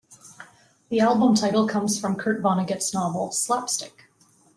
The album title comes from Kurt Vonnegut's novel "Slapstick".